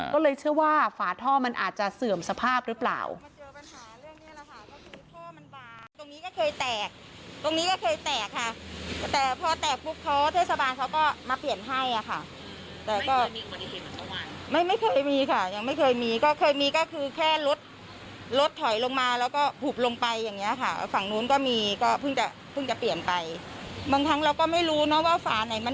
ก็เลยเชื่อว่าฝาท่อมันอาจจะเสื่อมสภาพหรือเปล่า